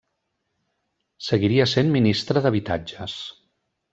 Seguiria sent Ministre d'Habitatges.